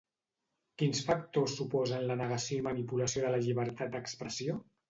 Quins factors suposen la negació i manipulació de la llibertat d'expressió?